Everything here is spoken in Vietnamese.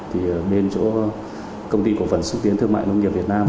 thì bên chỗ công ty cổ phần xúc tiến thương mại nông nghiệp việt nam